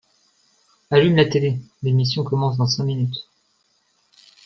Allume la télé, l'émission commence dans cinq minutes.